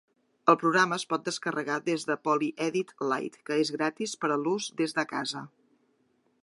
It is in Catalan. El programa es pot descarregar des de PolyEdit Lite, que és gratis per a l'ús des de casa.